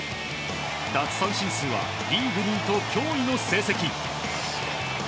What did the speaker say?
奪三振数はリーグ２位と驚異の成績。